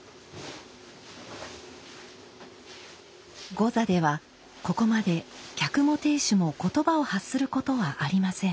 後座ではここまで客も亭主も言葉を発することはありません。